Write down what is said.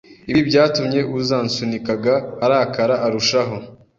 Ibi byatumye uzansunikaga arakara arushaho,